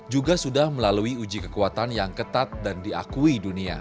juga sudah melalui uji kekuatan yang ketat dan diakui dunia